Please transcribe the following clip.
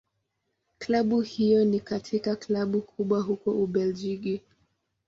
Klabu hiyo ni katika Klabu kubwa huko Ubelgiji.